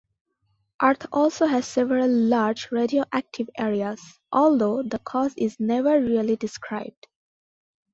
Earth also has several large radioactive areas, although the cause is never really described.